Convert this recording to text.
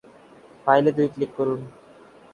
ফাইলে দুই ক্লিক করুন।